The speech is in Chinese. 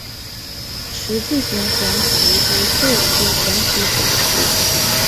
十字形黄耆为豆科黄芪属的植物。